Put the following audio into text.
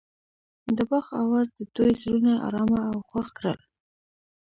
د باغ اواز د دوی زړونه ارامه او خوښ کړل.